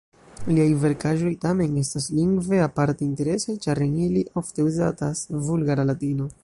Liaj verkaĵoj tamen estas lingve aparte interesaj, ĉar en ili ofte uzatas vulgara latino.